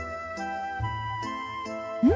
うん？